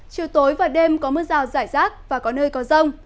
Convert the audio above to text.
chiều tối và đêm có mưa rào rải rác và có nơi có rông